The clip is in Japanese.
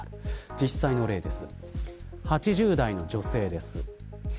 実際の例です。